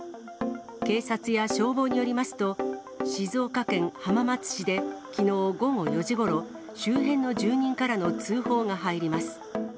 警察や消防によりますと、静岡県浜松市で、きのう午後４時ごろ、周辺の住人からの通報が入ります。